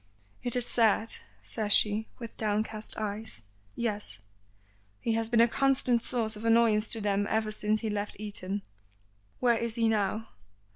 "It is sad," says she, with downcast eyes. "Yes. He has been a constant source of annoyance to them ever since he left Eton." "Where is he now?"